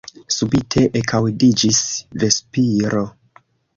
Subite ekaŭdiĝis vespiro.